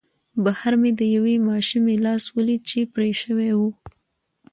بهر مې د یوې ماشومې لاس ولید چې پرې شوی و